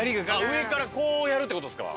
上からこうやるって事ですか？